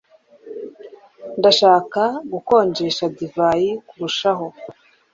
Ndashaka gukonjesha divayi kurushaho